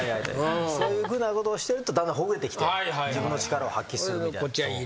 そういうふうなことをしてるとだんだんほぐれてきて自分の力を発揮するみたいな。